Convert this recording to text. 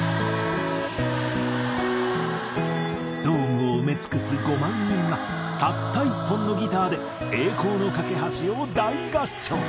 ドームを埋め尽くす５万人がたった１本のギターで『栄光の架橋』を大合唱。